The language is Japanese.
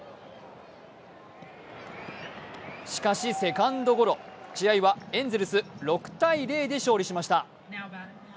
しかしセカンドゴロ、試合はエンゼルス６−０で勝利しました。